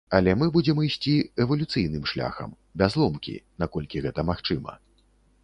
Але мы будзем ісці эвалюцыйным шляхам, без ломкі, наколькі гэта магчыма.